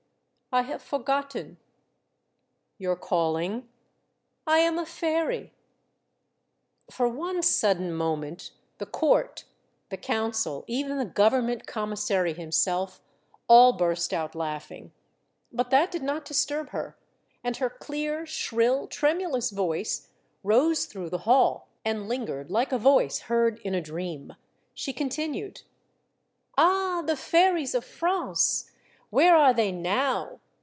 " I have forgotten." "Your calling?" *' I am a fairy I " The Fairies of France. 193 For one sudden moment the court, the counsel, even the government commissary himself, all burst out laughing; but that did not disturb her, and her clear, shrill, tremulous voice rose through the hall, and lingered like a voice heard in a dream. She continued, —Ah ! the Fairies of France, where are they now?